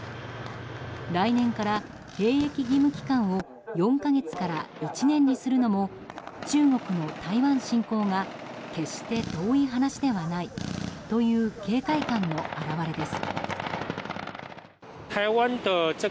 来年から兵役義務期間を４か月から１年にするのも中国の台湾侵攻が決して遠い話ではないという警戒感の表れです。